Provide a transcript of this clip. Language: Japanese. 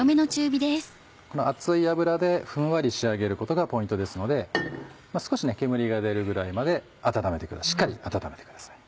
この熱い油でふんわり仕上げることがポイントですので少し煙が出るぐらいまでしっかり温めてください。